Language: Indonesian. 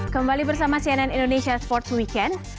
kembali bersama cnn indonesia sports weekend